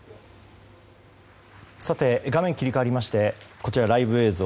画面切り替わりましてこちら、ライブ映像。